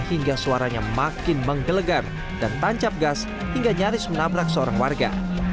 hingga suaranya makin menggelegar dan tancap gas hingga nyaris menabrak seorang warga